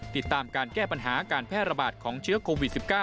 ติดตามการแก้ปัญหาการแพร่ระบาดของเชื้อโควิด๑๙